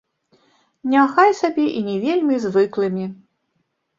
Няхай сабе і не вельмі звыклымі.